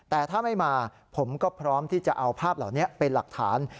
แต่ถ้าไม่มาผมก็พร้อมที่จะเอาภาพเหล่านี้เป็นหลักฐาน